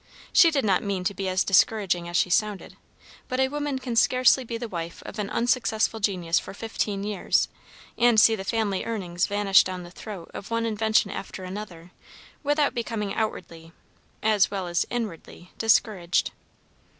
She did not mean to be as discouraging as she sounded, but a woman can scarcely be the wife of an unsuccessful genius for fifteen years, and see the family earnings vanish down the throat of one invention after another, without becoming outwardly, as well as inwardly, discouraged.